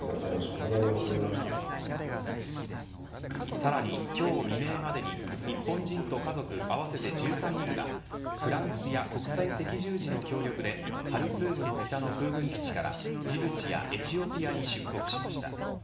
さらに今日未明までに日本人と家族、合わせて１３人がフランスや国際赤十字の協力でハルツームの北の空軍基地からジブチやエチオピアに出国しました。